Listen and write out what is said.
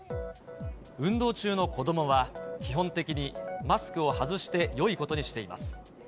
運動中の子どもは、基本的にマスクを外してよいことにしています。